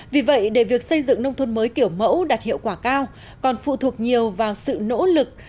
vì vậy để việc xây dựng nông thôn mới kiểu mẫu đạt hiệu quả cao còn phụ thuộc nhiều vào sự nỗ lực